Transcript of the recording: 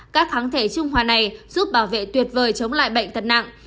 các kháng thể trung hoà này giúp bảo vệ tuyệt vời chống lại bệnh tật nặng